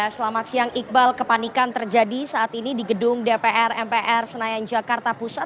selamat siang iqbal kepanikan terjadi saat ini di gedung dpr mpr senayan jakarta pusat